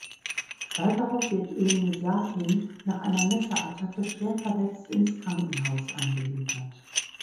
Bald darauf wird Emil Sahin nach einer Messerattacke schwer verletzt ins Krankenhaus eingeliefert.